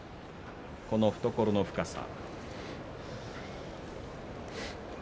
この懐の深さ。